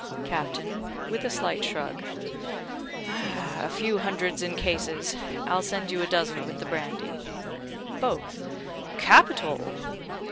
Captain (with a slight shrug): "A few hundreds in cases. I'll send you a dozen with the brandy." Both: "Capital!"